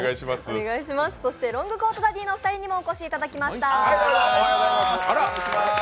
そしてロングコートダディのお二人にもお越しいただきました。